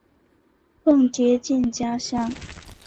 更接近家乡